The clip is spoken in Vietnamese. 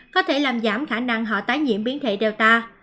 có thể làm giảm khả năng họ tái nhiễm biến thể data